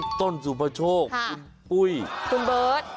คุณต้นสุภโชคคุณปุ้ยคุณเบิร์ต